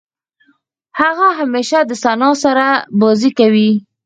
هغه همېشه د ثنا سره بازۍ کوي.